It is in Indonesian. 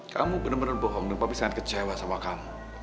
kamu bener bener bohong dan papi sangat kecewa sama kamu